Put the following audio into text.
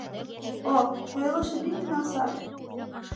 О, ҡуйылышы бик насар!